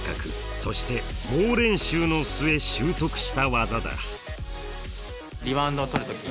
そして猛練習の末習得した技だ。